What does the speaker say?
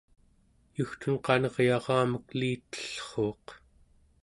Yugtun qaneryaramek elitellruuq